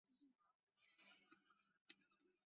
曾任秘书省钩考算经文字臣。